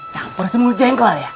campur semua jengkol ya